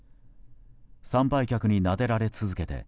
参拝客になでられ続け